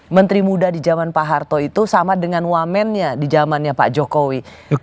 menteri muda di zaman pak harto itu sama dengan wamennya di zamannya pak jokowi